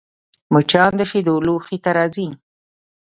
مچان د شیدو لوښي ته راځي